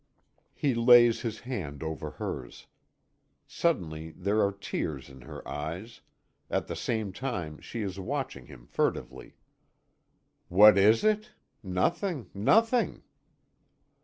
He lays his hand over hers. Suddenly there are tears in her eyes at the same time she is watching him furtively. "What is it? nothing nothing!"